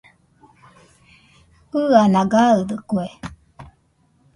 ɨana gaɨdɨkue